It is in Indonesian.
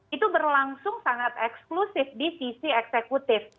itu berlangsung sangat eksklusif di sisi eksekutif